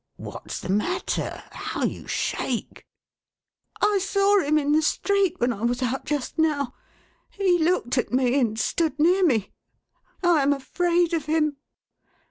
What's the matter ? How you shake !"" I saw him in the street, when I was out just now. He looked at me, and stood near me. I am afraid of him."